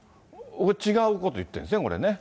違うこと言ってるんですね、これね。